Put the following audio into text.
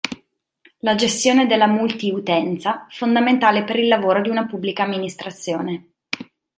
La gestione della multiutenza, fondamentale per il lavoro di una Pubblica Amministrazione.